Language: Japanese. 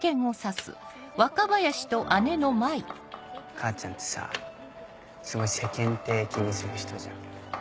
母ちゃんってさすごい世間体気にする人じゃん。